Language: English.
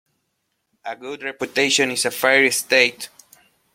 A good reputation is a fair estate.